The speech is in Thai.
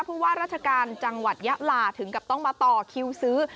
ว่าราชการจังหวัดยะลาถึงกับต้องมาต่อคิวซื้อ